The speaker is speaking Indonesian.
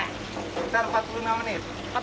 kita tunggu berapa lama pak